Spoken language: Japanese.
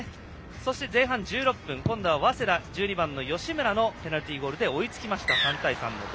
そして、前半１６分今度は１２番の吉村のペナルティーゴールで追いつきました。